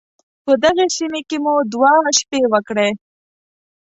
په دغې سيمې کې مو دوه شپې وکړې.